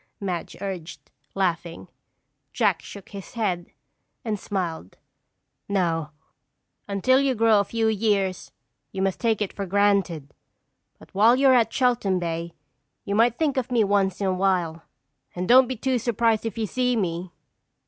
Madge urged, laughing. Jack shook his head and smiled. "No, until you grow a few years you must take it for granted. But while you're at Cheltham Bay you might think of me once in a while. And don't be too surprised if you see me!"